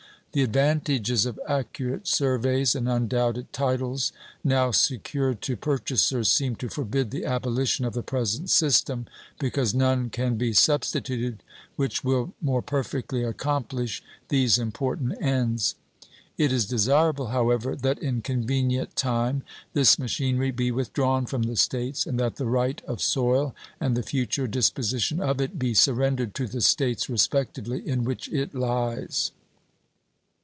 The advantages of accurate surveys and undoubted titles now secured to purchasers seem to forbid the abolition of the present system, because none can be substituted which will more perfectly accomplish these important ends. It is desirable, however, that in convenient time this machinery be withdrawn from the States, and that the right of soil and the future disposition of it be surrendered to the States respectively in which it lies.